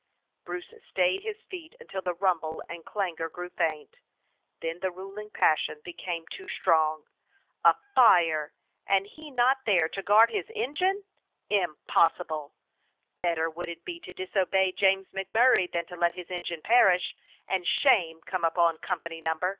Bruce stayed his feet until the rumble and clangor grew faint; then the ruling passion became too strong. A fire, and he not there 269 DOG HEROES OF MANY LANDS to guard his engine? Impossible! Better would it be to disobey James MacMurray than to let his engine perish, and shame come upon Company No. —